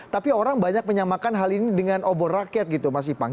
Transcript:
tapi orang banyak menyamakan hal ini dengan obor rakyat gitu mas ipang